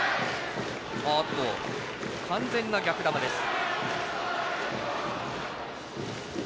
完全な逆球でした。